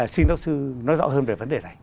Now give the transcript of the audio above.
xin giáo sư nói rõ hơn về vấn đề này